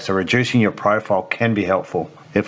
jadi mengurangkan profil anda bisa bermanfaat